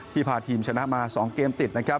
ที่พาทีมชนะมา๒เกมติด